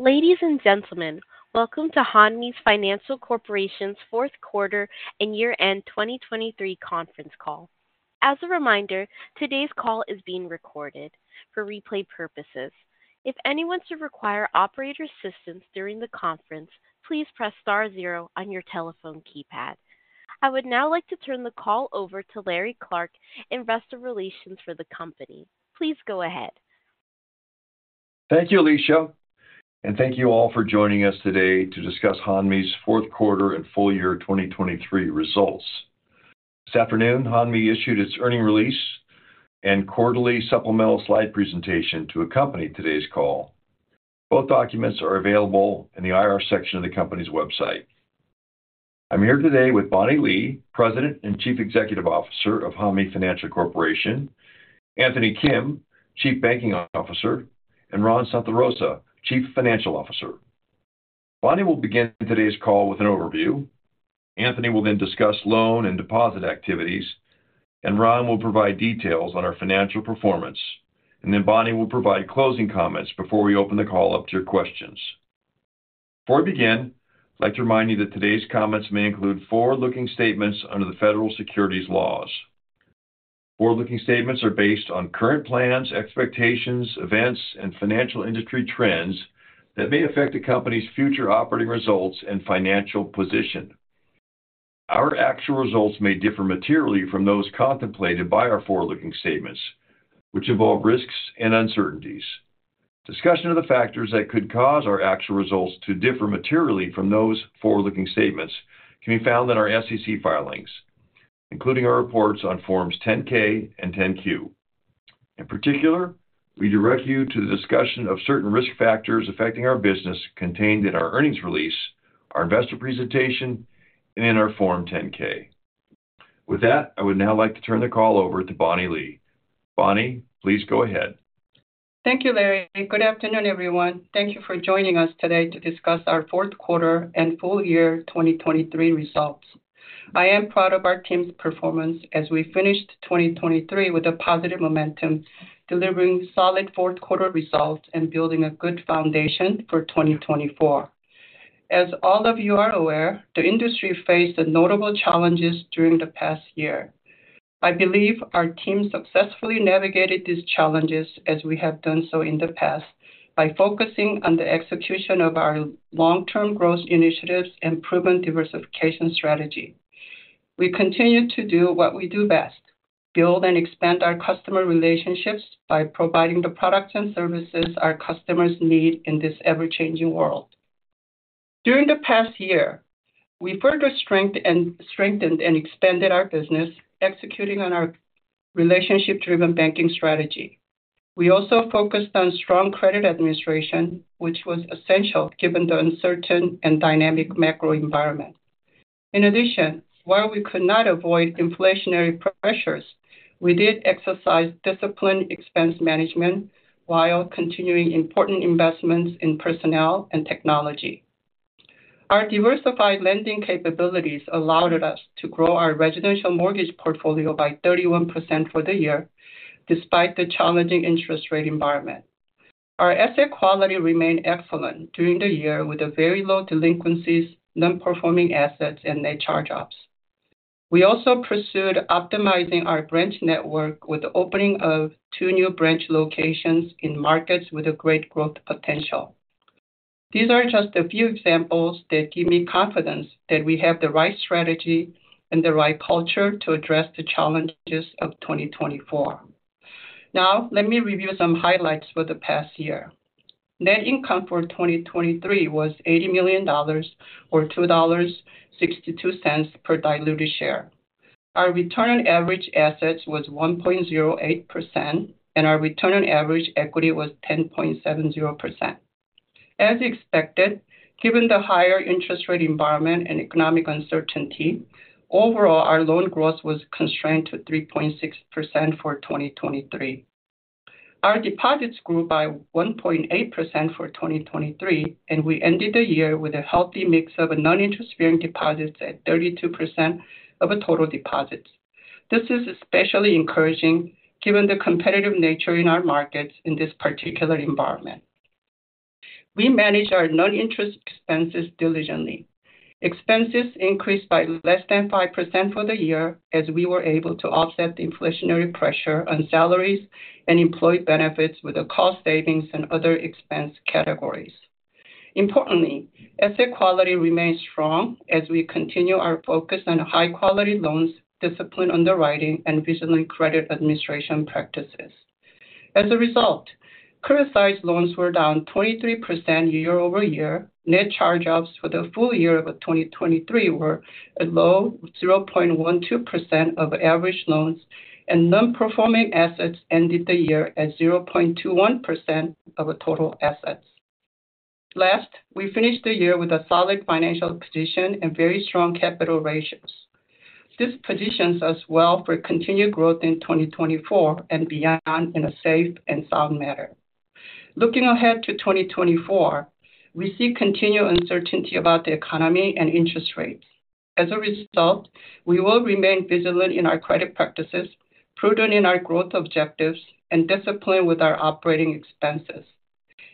Ladies and gentlemen, welcome to Hanmi Financial Corporation's fourth quarter and year-end 2023 conference call. As a reminder, today's call is being recorded for replay purposes. If anyone should require operator assistance during the conference, please press star zero on your telephone keypad. I would now like to turn the call over to Larry Clark, Investor Relations for the company. Please go ahead. Thank you, Alicia, and thank you all for joining us today to discuss Hanmi's fourth quarter and full year 2023 results. This afternoon, Hanmi issued its earnings release and quarterly supplemental slide presentation to accompany today's call. Both documents are available in the IR section of the company's website. I'm here today with Bonnie Lee, President and Chief Executive Officer of Hanmi Financial Corporation, Anthony Kim, Chief Banking Officer, and Ron Santarosa, Chief Financial Officer. Bonnie will begin today's call with an overview. Anthony will then discuss loan and deposit activities, and Ron will provide details on our financial performance. And then Bonnie will provide closing comments before we open the call up to your questions. Before we begin, I'd like to remind you that today's comments may include forward-looking statements under the federal securities laws. Forward-looking statements are based on current plans, expectations, events, and financial industry trends that may affect the company's future operating results and financial position. Our actual results may differ materially from those contemplated by our forward-looking statements, which involve risks and uncertainties. Discussion of the factors that could cause our actual results to differ materially from those forward-looking statements can be found in our SEC filings, including our reports on Forms 10-K and 10-Q. In particular, we direct you to the discussion of certain risk factors affecting our business contained in our earnings release, our investor presentation, and in our Form 10-K. With that, I would now like to turn the call over to Bonnie Lee. Bonnie, please go ahead. Thank you, Larry, and good afternoon, everyone. Thank you for joining us today to discuss our fourth quarter and full year 2023 results. I am proud of our team's performance as we finished 2023 with a positive momentum, delivering solid fourth quarter results and building a good foundation for 2024. As all of you are aware, the industry faced notable challenges during the past year. I believe our team successfully navigated these challenges, as we have done so in the past, by focusing on the execution of our long-term growth initiatives and proven diversification strategy. We continued to do what we do best, build and expand our customer relationships by providing the products and services our customers need in this ever-changing world. During the past year, we further strengthened and expanded our business, executing on our relationship-driven banking strategy. We also focused on strong credit administration, which was essential given the uncertain and dynamic macro environment. In addition, while we could not avoid inflationary pressures, we did exercise disciplined expense management while continuing important investments in personnel and technology. Our diversified lending capabilities allowed us to grow our residential mortgage portfolio by 31% for the year, despite the challenging interest rate environment. Our asset quality remained excellent during the year, with a very low delinquencies, non-performing assets and net charge-offs. We also pursued optimizing our branch network with the opening of two new branch locations in markets with a great growth potential. These are just a few examples that give me confidence that we have the right strategy and the right culture to address the challenges of 2024. Now, let me review some highlights for the past year. Net income for 2023 was $80 million, or $2.62 per diluted share. Our return on average assets was 1.08%, and our return on average equity was 10.70%. As expected, given the higher interest rate environment and economic uncertainty, overall, our loan growth was constrained to 3.6% for 2023. Our deposits grew by 1.8% for 2023, and we ended the year with a healthy mix of non-interest-bearing deposits at 32% of total deposits. This is especially encouraging given the competitive nature in our markets in this particular environment. We managed our non-interest expenses diligently. Expenses increased by less than 5% for the year as we were able to offset the inflationary pressure on salaries and employee benefits with the cost savings and other expense categories. Importantly, asset quality remains strong as we continue our focus on high-quality loans, disciplined underwriting, and recently, credit administration practices. As a result, criticized loans were down 23% year-over-year. Net charge-offs for the full year of 2023 were a low 0.12% of average loans, and non-performing assets ended the year at 0.21% of total assets. Last, we finished the year with a solid financial position and very strong capital ratios. This positions us well for continued growth in 2024 and beyond in a safe and sound manner. Looking ahead to 2024, we see continued uncertainty about the economy and interest rates. As a result, we will remain vigilant in our credit practices, prudent in our growth objectives, and disciplined with our operating expenses.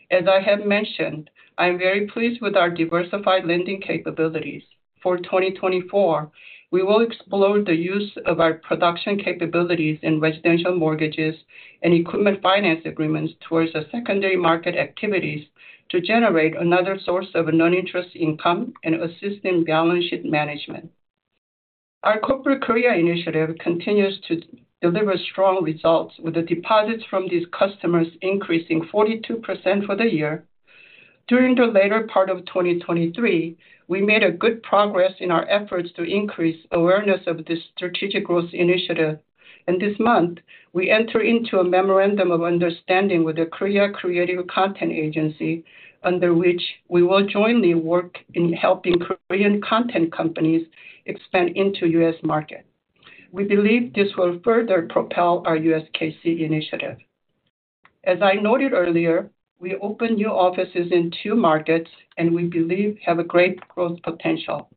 As I have mentioned, I'm very pleased with our diversified lending capabilities. For 2024, we will explore the use of our production capabilities in residential mortgages and equipment finance agreements towards the secondary market activities to generate another source of non-interest income and assist in balance sheet management. Our Corporate Korea initiative continues to deliver strong results, with the deposits from these customers increasing 42% for the year. During the later part of 2023, we made a good progress in our efforts to increase awareness of this strategic growth initiative. This month, we enter into a memorandum of understanding with the Korea Creative Content Agency, under which we will jointly work in helping Korean content companies expand into U.S. market. We believe this will further propel our USKC initiative. As I noted earlier, we opened new offices in two markets, and we believe have a great growth potential.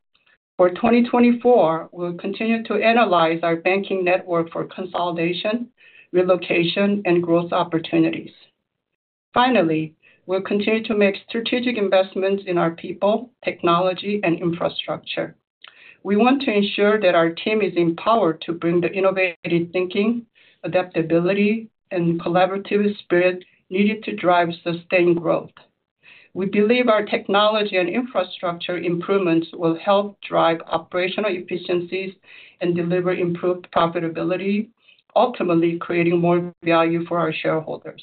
For 2024, we'll continue to analyze our banking network for consolidation, relocation, and growth opportunities. Finally, we'll continue to make strategic investments in our people, technology, and infrastructure. We want to ensure that our team is empowered to bring the innovative thinking, adaptability, and collaborative spirit needed to drive sustained growth. We believe our technology and infrastructure improvements will help drive operational efficiencies and deliver improved profitability, ultimately creating more value for our shareholders.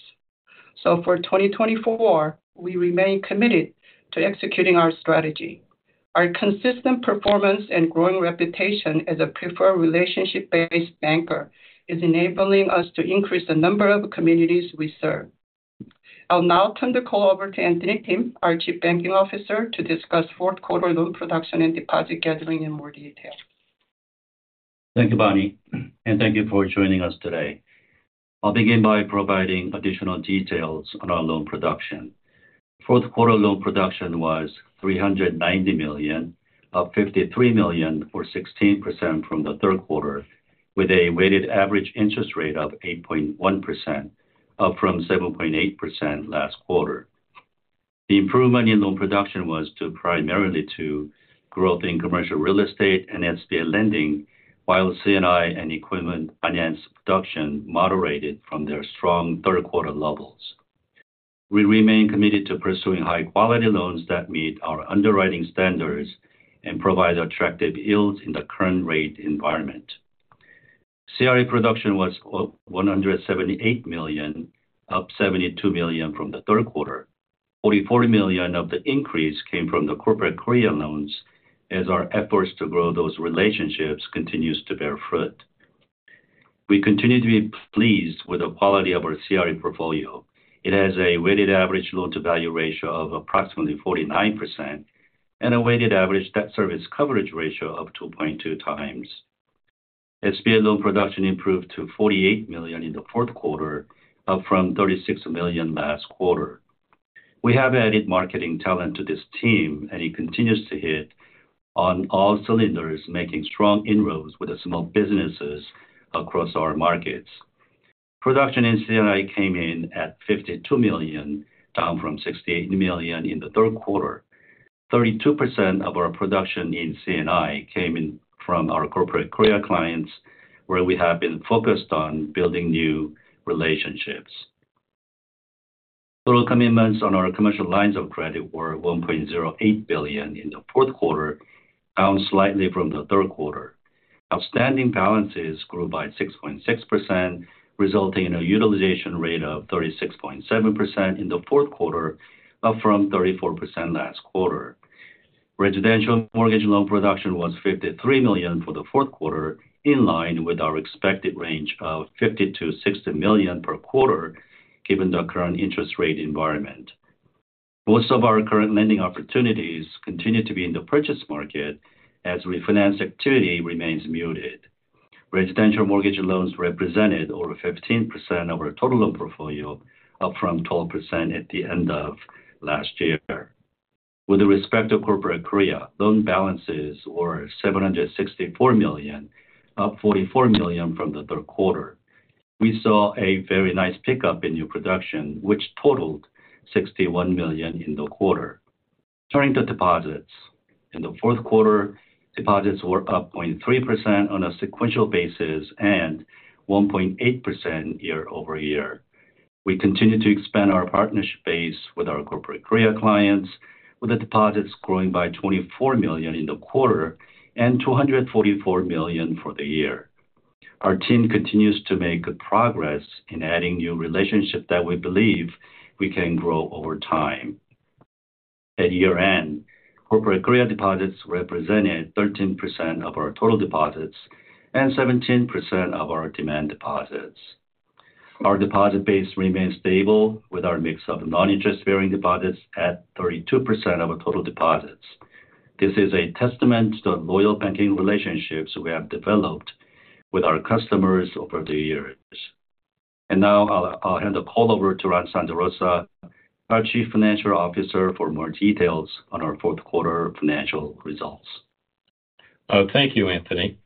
So for 2024, we remain committed to executing our strategy. Our consistent performance and growing reputation as a preferred relationship-based banker is enabling us to increase the number of communities we serve. I'll now turn the call over to Anthony Kim, our Chief Banking Officer, to discuss fourth quarter loan production and deposit gathering in more detail. Thank you, Bonnie, and thank you for joining us today. I'll begin by providing additional details on our loan production. Fourth quarter loan production was $390 million, up $53 million, or 16% from the third quarter, with a weighted average interest rate of 8.1%, up from 7.8% last quarter. The improvement in loan production was due primarily to growth in commercial real estate and SBA lending, while C&I and equipment finance production moderated from their strong third quarter levels. We remain committed to pursuing high-quality loans that meet our underwriting standards and provide attractive yields in the current rate environment. CRE production was $178 million, up $72 million from the third quarter. $44 million of the increase came from the Corporate Korea loans, as our efforts to grow those relationships continues to bear fruit. We continue to be pleased with the quality of our CRE portfolio. It has a weighted average loan-to-value ratio of approximately 49% and a weighted average debt service coverage ratio of 2.2 times. SBA loan production improved to $48 million in the fourth quarter, up from $36 million last quarter. We have added marketing talent to this team, and it continues to hit on all cylinders, making strong inroads with the small businesses across our markets. Production in C&I came in at $52 million, down from $68 million in the third quarter. 32% of our production in C&I came in from our Corporate Korea clients, where we have been focused on building new relationships. Total commitments on our commercial lines of credit were $1.08 billion in the fourth quarter, down slightly from the third quarter. Outstanding balances grew by 6.6%, resulting in a utilization rate of 36.7% in the fourth quarter, up from 34% last quarter. Residential mortgage loan production was $53 million for the fourth quarter, in line with our expected range of $50 million-$60 million per quarter, given the current interest rate environment. Most of our current lending opportunities continue to be in the purchase market, as refinance activity remains muted. Residential mortgage loans represented over 15% of our total loan portfolio, up from 12% at the end of last year. With respect to Corporate Korea, loan balances were $764 million, up $44 million from the third quarter. We saw a very nice pickup in new production, which totaled $61 million in the quarter. Turning to deposits. In the fourth quarter, deposits were up 0.3% on a sequential basis and 1.8% year-over-year. We continued to expand our partnership base with our Corporate Korea clients, with the deposits growing by $24 million in the quarter and $244 million for the year. Our team continues to make good progress in adding new relationships that we believe we can grow over time. At year-end, Corporate Korea deposits represented 13% of our total deposits and 17% of our demand deposits. Our deposit base remains stable, with our mix of non-interest-bearing deposits at 32% of our total deposits. This is a testament to the loyal banking relationships we have developed with our customers over the years. Now I'll hand the call over to Ron Santarosa, our Chief Financial Officer, for more details on our fourth quarter financial results. Thank you, Anthony.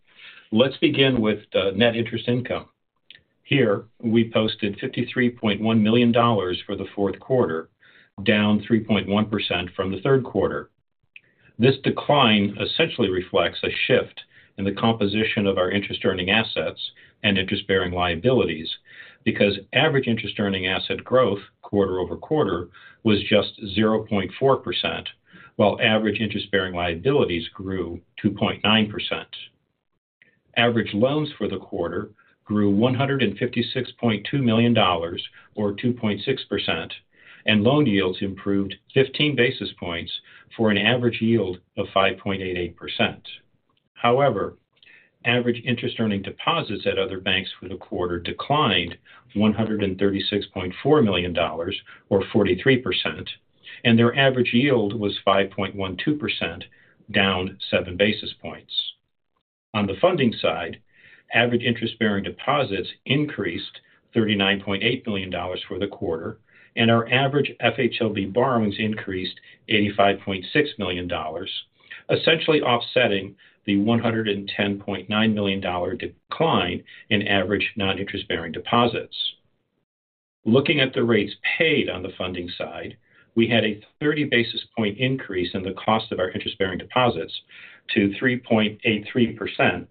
Let's begin with the net interest income. Here, we posted $53.1 million for the fourth quarter, down 3.1% from the third quarter. This decline essentially reflects a shift in the composition of our interest-earning assets and interest-bearing liabilities, because average interest-earning asset growth quarter-over-quarter was just 0.4%, while average interest-bearing liabilities grew 2.9%. Average loans for the quarter grew $156.2 million, or 2.6%, and loan yields improved 15 basis points for an average yield of 5.88%. However, average interest-earning deposits at other banks for the quarter declined $136.4 million, or 43%, and their average yield was 5.12%, down 7 basis points. On the funding side, average interest-bearing deposits increased $39.8 million for the quarter, and our average FHLB borrowings increased $85.6 million, essentially offsetting the $110.9 million decline in average non-interest-bearing deposits. Looking at the rates paid on the funding side, we had a thirty basis point increase in the cost of our interest-bearing deposits to 3.83% and a hundred and fifty-nine basis point increase in the cost of our interest bearing,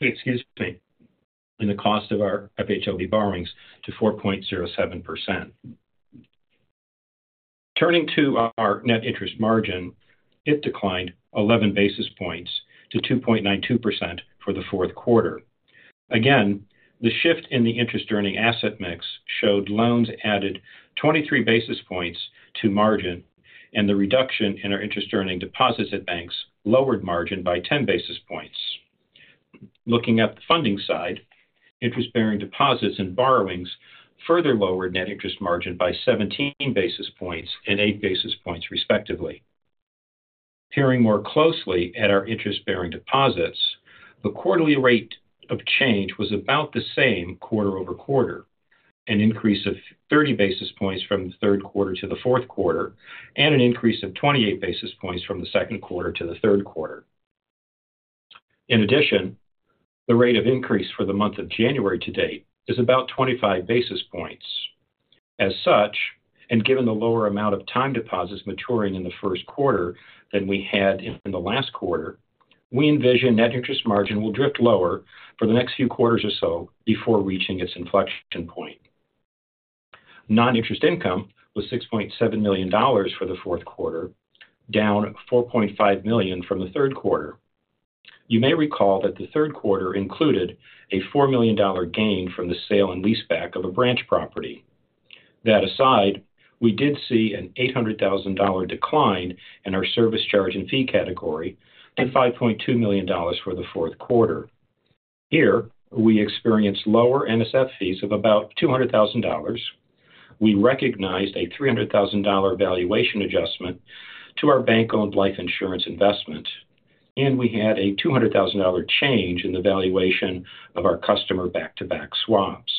excuse me, in the cost of our FHLB borrowings to 4.07%. Turning to our net interest margin, it declined eleven basis points to 2.92% for the fourth quarter. Again, the shift in the interest-earning asset mix showed loans added 23 basis points to margin, and the reduction in our interest-earning deposits at banks lowered margin by 10 basis points. Looking at the funding side, interest-bearing deposits and borrowings further lowered net interest margin by 17 basis points and 8 basis points, respectively. Peering more closely at our interest-bearing deposits, the quarterly rate of change was about the same quarter-over-quarter, an increase of 30 basis points from the third quarter to the fourth quarter, and an increase of 28 basis points from the second quarter to the third quarter. In addition, the rate of increase for the month of January to date is about 25 basis points. As such, and given the lower amount of time deposits maturing in the first quarter than we had in the last quarter, we envision net interest margin will drift lower for the next few quarters or so before reaching its inflection point. Non-interest income was $6.7 million for the fourth quarter, down $4.5 million from the third quarter. You may recall that the third quarter included a $4 million gain from the sale and leaseback of a branch property. That aside, we did see an $800,000 decline in our service charge and fee category to $5.2 million for the fourth quarter. Here, we experienced lower NSF fees of about $200,000. We recognized a $300,000 valuation adjustment to our bank-owned life insurance investment, and we had a $200,000 change in the valuation of our customer back-to-back swaps.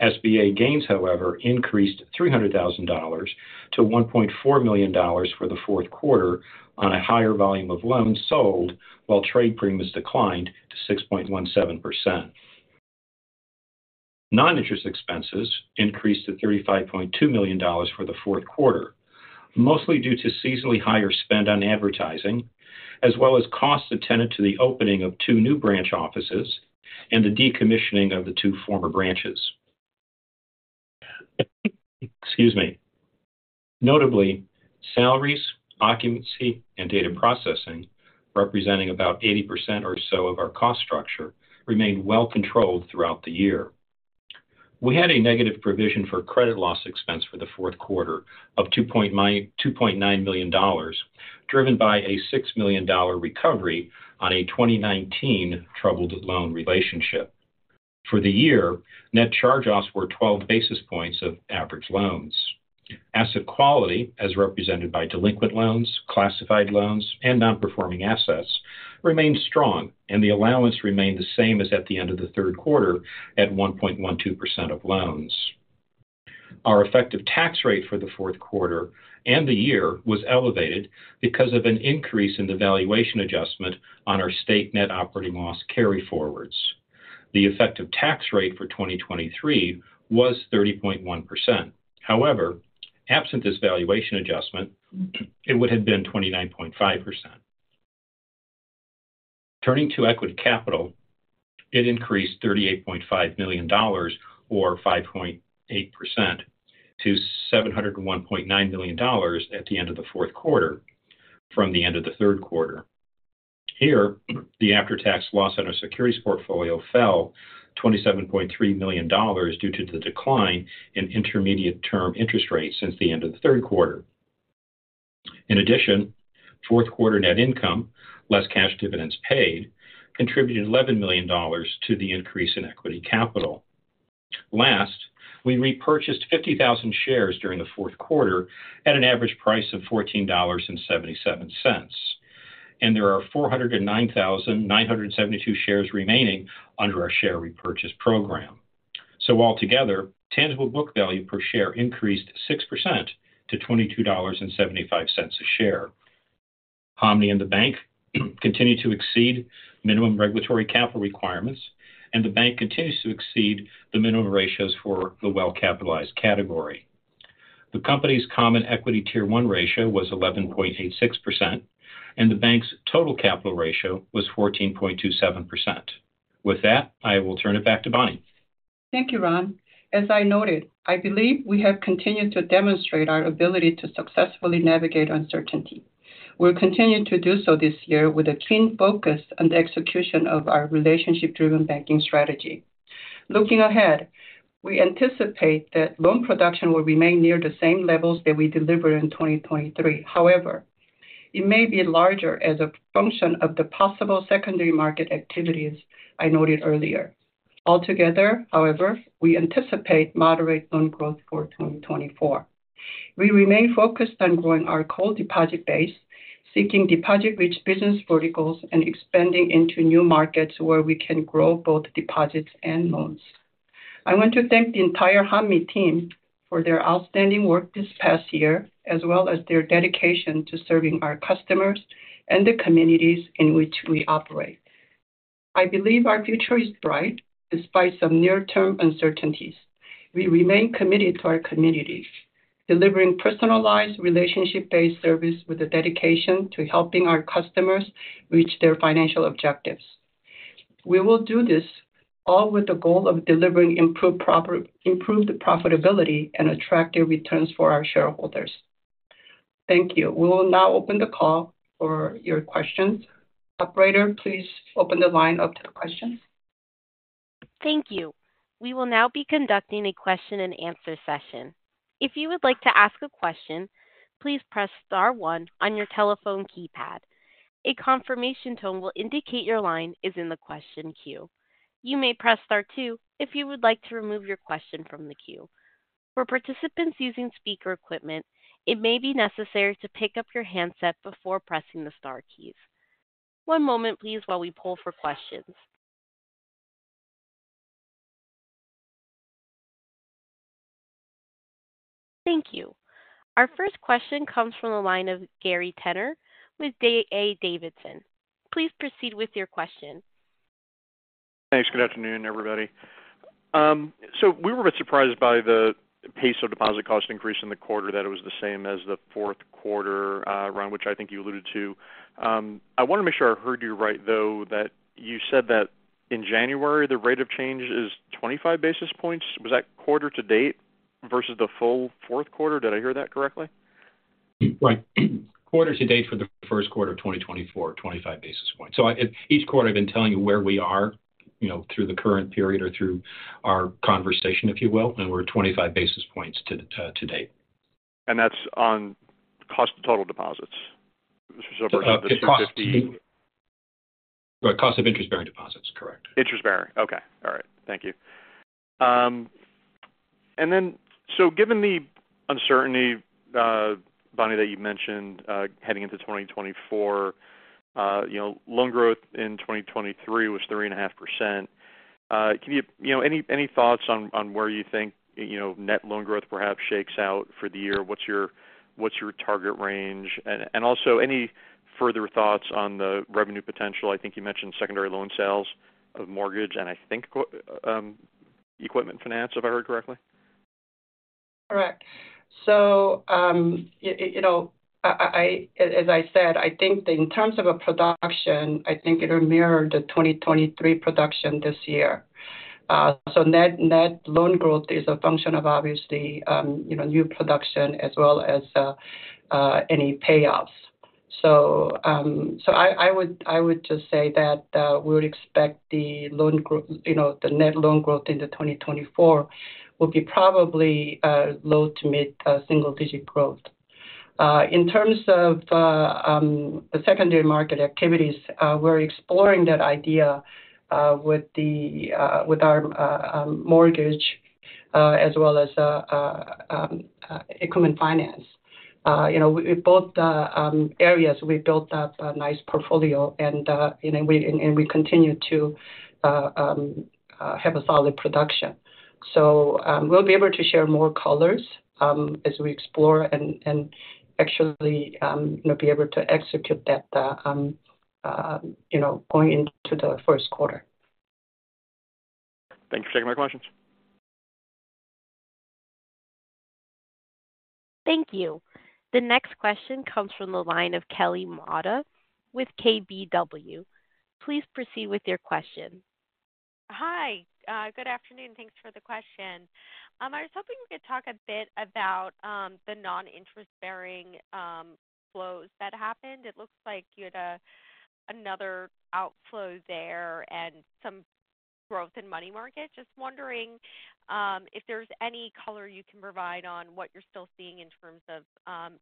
SBA gains, however, increased $300,000 to $1.4 million for the fourth quarter on a higher volume of loans sold, while trade premiums declined to 6.17%. Non-interest expenses increased to $35.2 million for the fourth quarter, mostly due to seasonally higher spend on advertising, as well as costs attendant to the opening of two new branch offices and the decommissioning of the two former branches. Excuse me. Notably, salaries, occupancy, and data processing, representing about 80% or so of our cost structure, remained well controlled throughout the year. We had a negative provision for credit loss expense for the fourth quarter of $2.9 million, driven by a $6 million recovery on a 2019 troubled loan relationship. For the year, net charge-offs were 12 basis points of average loans. Asset quality, as represented by delinquent loans, classified loans, and non-performing assets, remained strong and the allowance remained the same as at the end of the third quarter, at 1.12% of loans. Our effective tax rate for the fourth quarter and the year was elevated because of an increase in the valuation adjustment on our state net operating loss carryforwards. The effective tax rate for 2023 was 30.1%. However, absent this valuation adjustment, it would have been 29.5%. Turning to equity capital, it increased $38.5 million or 5.8% to $701.9 million at the end of the fourth quarter from the end of the third quarter. Here, the after-tax loss on our securities portfolio fell $27.3 million due to the decline in intermediate term interest rates since the end of the third quarter. In addition, fourth quarter net income, less cash dividends paid, contributed $11 million to the increase in equity capital. Last, we repurchased 50,000 shares during the fourth quarter at an average price of $14.77. And there are 409,972 shares remaining under our share repurchase program. So altogether, tangible book value per share increased 6% to $22.75 a share. Hanmi and the bank continue to exceed minimum regulatory capital requirements, and the bank continues to exceed the minimum ratios for the well-capitalized category. The company's common equity Tier 1 ratio was 11.86%, and the bank's total capital ratio was 14.27%. With that, I will turn it back to Bonnie. Thank you, Ron. As I noted, I believe we have continued to demonstrate our ability to successfully navigate uncertainty. We'll continue to do so this year with a keen focus on the execution of our relationship-driven banking strategy. Looking ahead, we anticipate that loan production will remain near the same levels that we delivered in 2023. However, it may be larger as a function of the possible secondary market activities I noted earlier. Altogether, however, we anticipate moderate loan growth for 2024. We remain focused on growing our core deposit base, seeking deposit-rich business verticals, and expanding into new markets where we can grow both deposits and loans. I want to thank the entire Hanmi team for their outstanding work this past year, as well as their dedication to serving our customers and the communities in which we operate. I believe our future is bright despite some near-term uncertainties. We remain committed to our communities, delivering personalized, relationship-based service with a dedication to helping our customers reach their financial objectives. We will do this all with the goal of delivering improved profitability and attractive returns for our shareholders. Thank you. We will now open the call for your questions. Operator, please open the line up to the questions. Thank you. We will now be conducting a question-and-answer session. If you would like to ask a question, please press star one on your telephone keypad. A confirmation tone will indicate your line is in the question queue. You may press star two if you would like to remove your question from the queue. For participants using speaker equipment, it may be necessary to pick up your handset before pressing the star keys. One moment, please, while we pull for questions. Thank you. Our first question comes from the line of Gary Tenner with D.A. Davidson. Please proceed with your question. Thanks. Good afternoon, everybody. So we were a bit surprised by the pace of deposit cost increase in the quarter, that it was the same as the fourth quarter, around which I think you alluded to. I want to make sure I heard you right, though, that you said that in January, the rate of change is 25 basis points. Was that quarter to date versus the full fourth quarter? Did I hear that correctly? Right. Quarter to date for the first quarter of 2024, 25 basis points. So I, each quarter, I've been telling you where we are, you know, through the current period or through our conversation, if you will, and we're 25 basis points to date. That's on cost of total deposits? Right. Cost of interest-bearing deposits. Correct. Interest-bearing. Okay. All right. Thank you. And then, so given the uncertainty, Bonnie, that you mentioned, heading into 2024, you know, loan growth in 2023 was 3.5%. Can you... You know, any, any thoughts on, on where you think, you know, net loan growth perhaps shakes out for the year? What's your, what's your target range? And, and also any further thoughts on the revenue potential? I think you mentioned secondary loan sales of mortgage and I think, equipment finance, if I heard correctly. Correct. So, you know, as I said, I think that in terms of a production, I think it will mirror the 2023 production this year. So net loan growth is a function of obviously, you know, new production as well as any payoffs. So I would just say that we would expect the loan growth, you know, the net loan growth into 2024 will be probably low- to mid-single-digit growth. In terms of the secondary market activities, we're exploring that idea with our mortgage as well as equipment finance. You know, both areas we built up a nice portfolio and we continue to have a solid production. So, we'll be able to share more colors, as we explore and actually be able to execute that, you know, going into the first quarter. Thank you for taking my questions. Thank you. The next question comes from the line of Kelly Motta with KBW. Please proceed with your question. Hi, good afternoon. Thanks for the question. I was hoping we could talk a bit about the non-interest-bearing flows that happened. It looks like you had another outflow there and some growth in money market. Just wondering if there's any color you can provide on what you're still seeing in terms of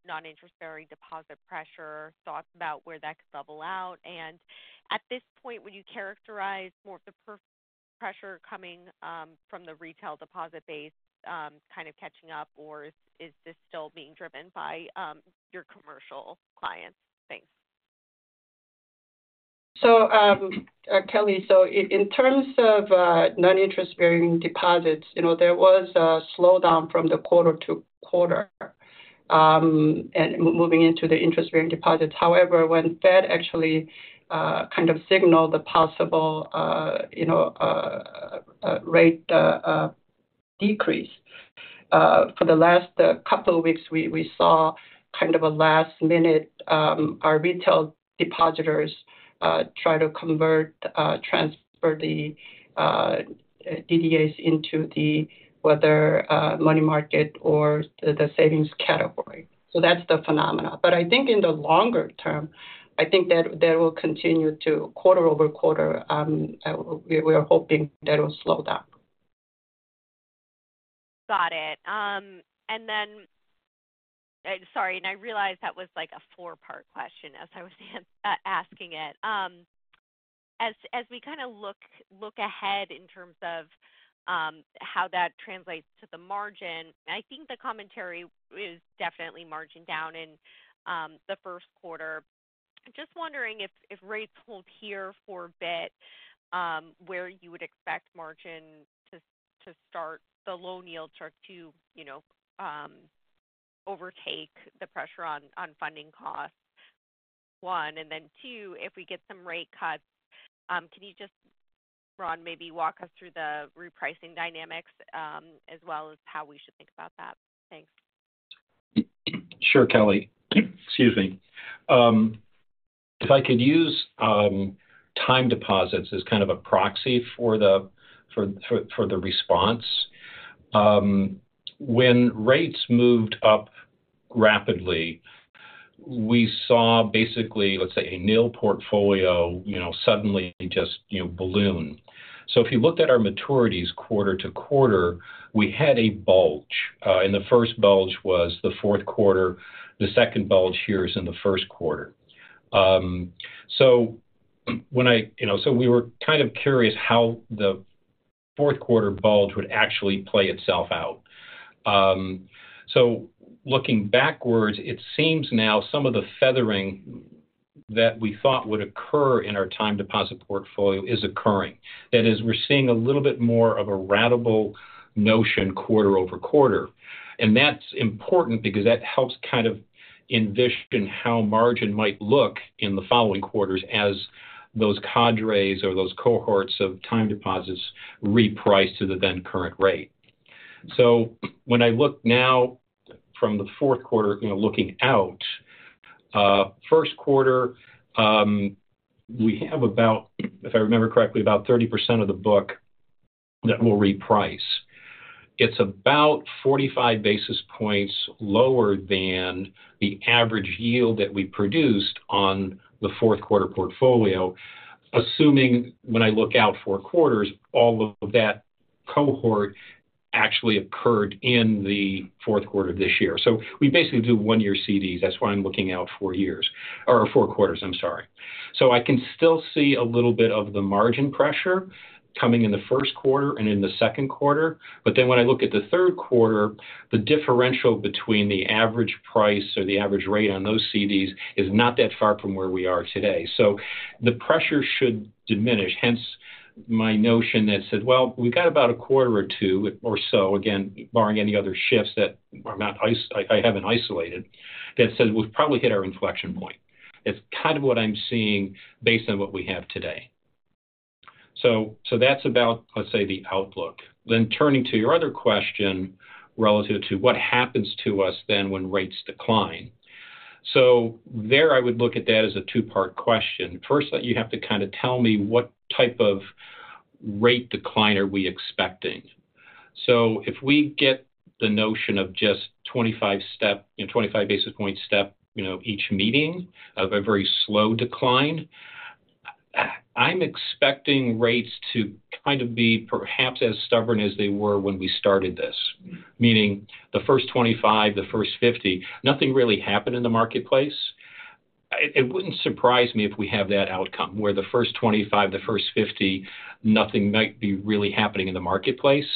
non-interest-bearing deposit pressure, thoughts about where that could level out. And at this point, would you characterize more of the pressure coming from the retail deposit base kind of catching up, or is this still being driven by your commercial clients? Thanks. So, Kelly, so in terms of non-interest-bearing deposits, you know, there was a slowdown from quarter to quarter, and moving into the interest-bearing deposits. However, when Fed actually kind of signaled the possible, you know, rate decrease for the last couple of weeks, we saw kind of a last-minute—our retail depositors try to convert, transfer the DDAs into the, whether money market or the savings category. So that's the phenomenon. But I think in the longer term, I think that that will continue quarter-over-quarter, we are hoping that it will slow down. Got it. And then, sorry, and I realize that was, like, a four-part question as I was asking it. As we kind of look ahead in terms of how that translates to the margin, and I think the commentary is definitely margin down in the first quarter. Just wondering if rates hold here for a bit, where you would expect margin to start the low yields start to, you know, overtake the pressure on funding costs, one. And then two, if we get some rate cuts, can you just, Ron, maybe walk us through the repricing dynamics, as well as how we should think about that? Thanks. Sure, Kelly. Excuse me. If I could use time deposits as kind of a proxy for the response. When rates moved up rapidly, we saw basically, let's say, a nil portfolio, you know, suddenly just, you know, balloon. So if you looked at our maturities quarter to quarter, we had a bulge. And the first bulge was the fourth quarter, the second bulge here is in the first quarter. So when I... You know, so we were kind of curious how the fourth quarter bulge would actually play itself out. So looking backwards, it seems now some of the feathering that we thought would occur in our time deposit portfolio is occurring. That is, we're seeing a little bit more of a ratable notion quarter-over-quarter. That's important because that helps kind of envision how margin might look in the following quarters as those cadres or those cohorts of time deposits reprice to the then current rate. So when I look now from the fourth quarter, you know, looking out, first quarter, we have about, if I remember correctly, about 30% of the book that will reprice. It's about 45 basis points lower than the average yield that we produced on the fourth quarter portfolio, assuming when I look out four quarters, all of that cohort actually occurred in the fourth quarter of this year. So we basically do one-year CDs. That's why I'm looking out four years or four quarters, I'm sorry. So I can still see a little bit of the margin pressure coming in the first quarter and in the second quarter, but then when I look at the third quarter, the differential between the average price or the average rate on those CDs is not that far from where we are today. So the pressure should diminish, hence my notion that said, "Well, we've got about a quarter or two or so," again, barring any other shifts that I haven't isolated, that said we've probably hit our inflection point. It's kind of what I'm seeing based on what we have today. So that's about, let's say, the outlook. Then turning to your other question relative to what happens to us then when rates decline. So there, I would look at that as a two-part question. First, that you have to kind of tell me what type of rate decline are we expecting? So if we get the notion of just 25 step, you know, 25 basis point step, you know, each meeting of a very slow decline, I'm expecting rates to kind of be perhaps as stubborn as they were when we started this. Meaning, the first 25, the first 50, nothing really happened in the marketplace. It wouldn't surprise me if we have that outcome, where the first 25, the first 50, nothing might be really happening in the marketplace,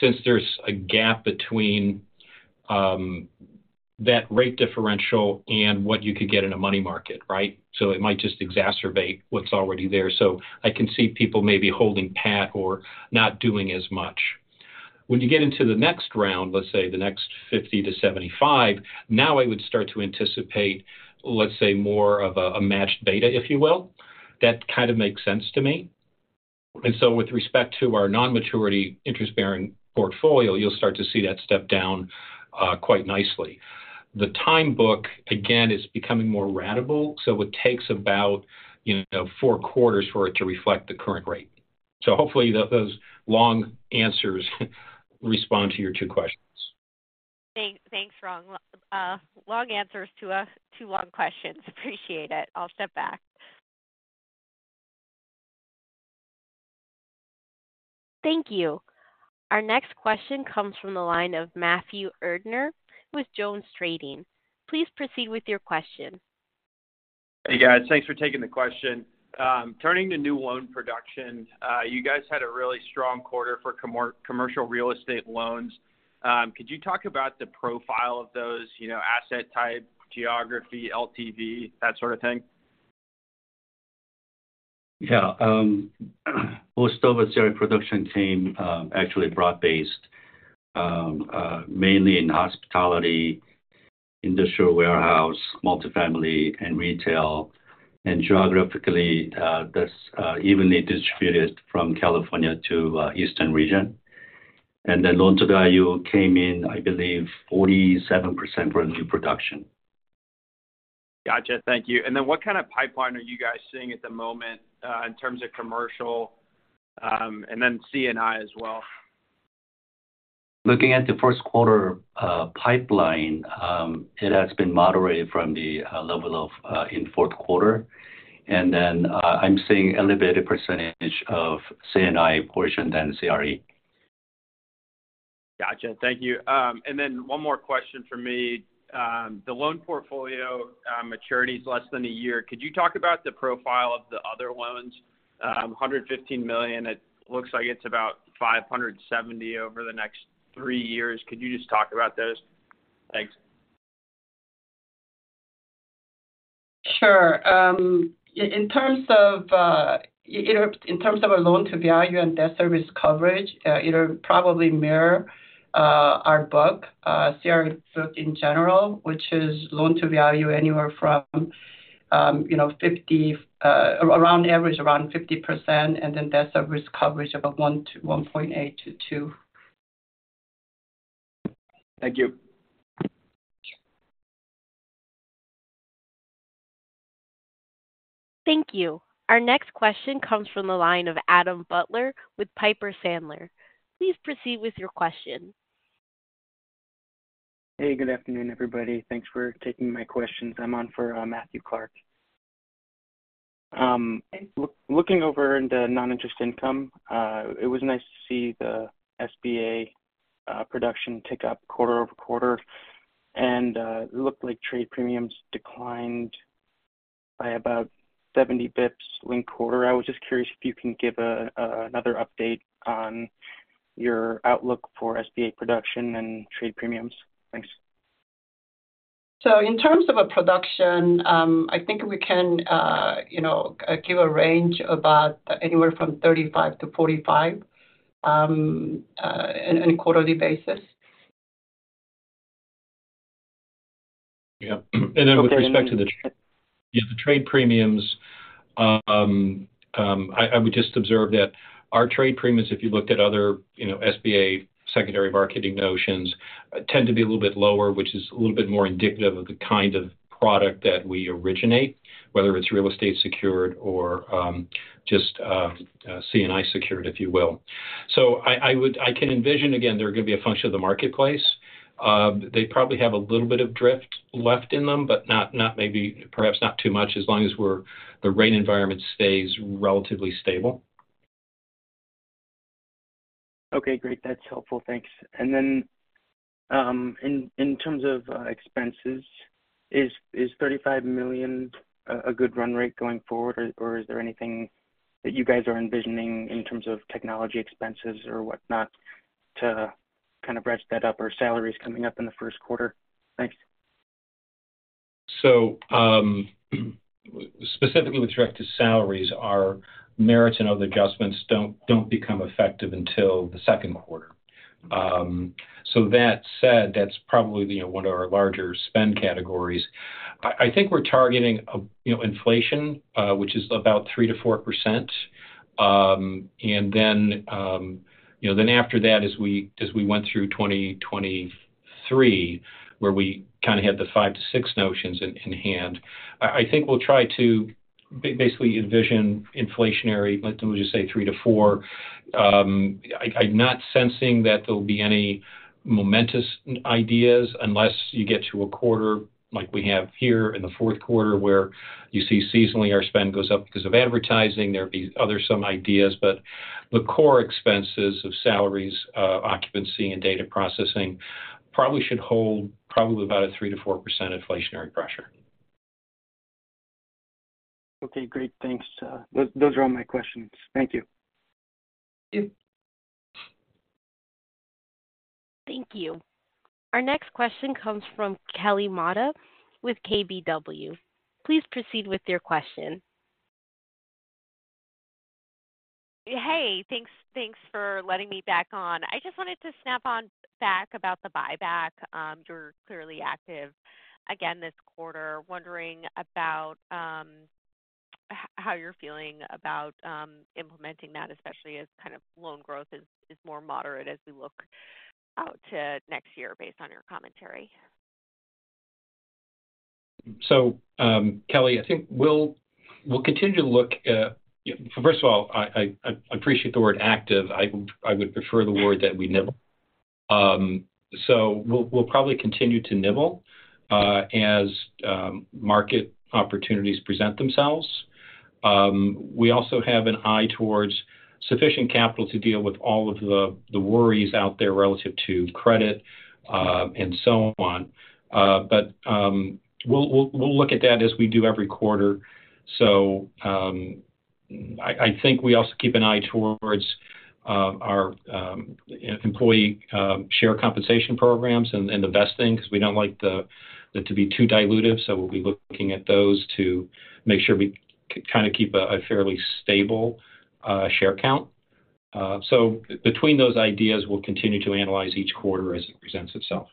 since there's a gap between that rate differential and what you could get in a money market, right? So it might just exacerbate what's already there. So I can see people maybe holding pat or not doing as much. When you get into the next round, let's say, the next 50-75, now I would start to anticipate, let's say, more of a matched beta, if you will. That kind of makes sense to me. And so with respect to our non-maturity interest-bearing portfolio, you'll start to see that step down quite nicely. The time book, again, is becoming more ratable, so it takes about, you know, 4 quarters for it to reflect the current rate. So hopefully, those long answers respond to your 2 questions. Thanks, thanks, Ron. Long answers to two long questions. Appreciate it. I'll step back. Thank you. Our next question comes from the line of Matthew Erdner with JonesTrading. Please proceed with your question. Hey, guys. Thanks for taking the question. Turning to new loan production, you guys had a really strong quarter for commercial real estate loans. Could you talk about the profile of those, you know, asset type, geography, LTV, that sort of thing? Yeah, most of the CRE production team, actually broad-based, mainly in hospitality, industrial warehouse, multifamily, and retail. Geographically, that's evenly distributed from California to Eastern region. The loan-to-value came in, I believe, 47% for new production. Gotcha. Thank you. And then what kind of pipeline are you guys seeing at the moment in terms of commercial, and then C&I as well? Looking at the first quarter pipeline, it has been moderated from the level in fourth quarter. And then, I'm seeing elevated percentage of C&I portion than CRE. Gotcha. Thank you. Then one more question from me. The loan portfolio maturity is less than a year. Could you talk about the profile of the other loans? $115 million, it looks like it's about $570 million over the next three years. Could you just talk about those? Thanks. Sure. In terms of, in terms of our loan-to-value and debt service coverage, it'll probably mirror our book, CRE book in general, which is loan to value anywhere from, you know, 50, around average around 50%, and then debt service coverage about 1 to 1.8 to 2. Thank you. Thank you. Our next question comes from the line of Adam Butler with Piper Sandler. Please proceed with your question. Hey, good afternoon, everybody. Thanks for taking my questions. I'm on for Matthew Clark. Looking over the non-interest income, it was nice to see the SBA production tick up quarter-over-quarter, and it looked like trade premiums declined by about 70 basis points linked quarter. I was just curious if you can give another update on your outlook for SBA production and trade premiums. Thanks. So in terms of a production, I think we can, you know, give a range about anywhere from 35 to 45 in a quarterly basis. Yeah. And then with respect to the trade premiums, I would just observe that our trade premiums, if you looked at other, you know, SBA secondary marketing notions, tend to be a little bit lower, which is a little bit more indicative of the kind of product that we originate, whether it's real estate secured or just C&I secured, if you will. So I would. I can envision, again, they're going to be a function of the marketplace. They probably have a little bit of drift left in them, but not maybe, perhaps not too much, as long as the rate environment stays relatively stable. Okay, great. That's helpful. Thanks. And then, in terms of expenses, is $35 million a good run rate going forward, or is there anything that you guys are envisioning in terms of technology expenses or whatnot to kind of brush that up or salaries coming up in the first quarter? Thanks. Specifically with respect to salaries, our merits and other adjustments don't become effective until the second quarter. So that said, that's probably, you know, one of our larger spend categories. I think we're targeting, you know, inflation, which is about 3%-4%. And then, you know, then after that, as we went through 2023, where we kind of had the 5-6 notions in hand, I think we'll try to basically envision inflationary, let me just say 3-4. I'm not sensing that there will be any momentous ideas unless you get to a quarter like we have here in the fourth quarter, where you see seasonally our spend goes up because of advertising. There'd be other some ideas, but the core expenses of salaries, occupancy, and data processing probably should hold probably about a 3%-4% inflationary pressure. Okay, great. Thanks. Those are all my questions. Thank you. Thank you. Thank you. Our next question comes from Kelly Motta with KBW. Please proceed with your question. Hey, thanks, thanks for letting me back on. I just wanted to snap on back about the buyback. You're clearly active again this quarter. Wondering about how you're feeling about implementing that, especially as kind of loan growth is more moderate as we look out to next year based on your commentary. So, Kelly, I think we'll continue to look. First of all, I appreciate the word active. I would prefer the word that we nibble. So we'll probably continue to nibble, as market opportunities present themselves. We also have an eye towards sufficient capital to deal with all of the worries out there relative to credit, and so on. But we'll look at that as we do every quarter. So, I think we also keep an eye towards our employee share compensation programs and the best thing, because we don't like them to be too dilutive, so we'll be looking at those to make sure we kind of keep a fairly stable share count. So between those ideas, we'll continue to analyze each quarter as it presents itself.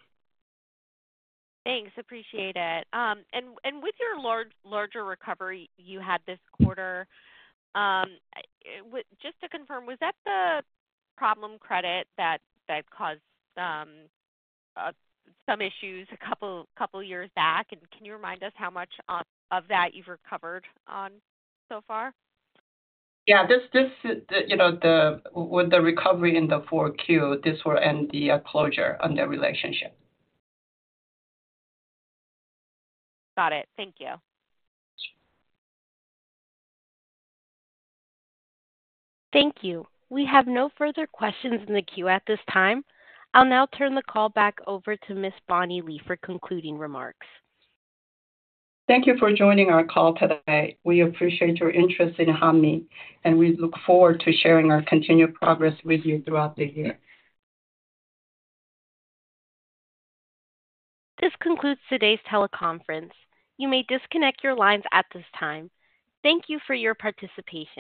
Thanks. Appreciate it. And with your larger recovery you had this quarter, just to confirm, was that the problem credit that caused some issues a couple years back? And can you remind us how much of that you've recovered on so far? Yeah. This, the, you know, the... With the recovery in the Q4, this will end the closure on the relationship. Got it. Thank you. Thank you. We have no further questions in the queue at this time. I'll now turn the call back over to Ms. Bonnie Lee for concluding remarks. Thank you for joining our call today. We appreciate your interest in Hanmi, and we look forward to sharing our continued progress with you throughout the year. This concludes today's teleconference. You may disconnect your lines at this time. Thank you for your participation.